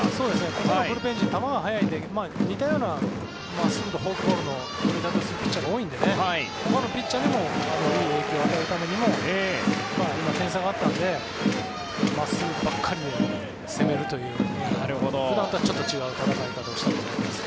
ここのブルペン陣球が速いので似たような真っすぐとフォークボールを出すピッチャーが多いんでほかのピッチャーにもいい影響を与えるためにも今、点差があったので真っすぐばっかりで攻めるという普段とはちょっと違う戦い方をしたと思います。